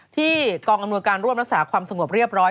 ที่กองอำนวยการร่วมรักษาความสงบเรียบร้อย